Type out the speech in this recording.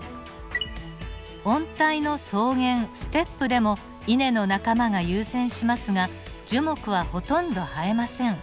温帯の草原ステップでもイネの仲間が優占しますが樹木はほとんど生えません。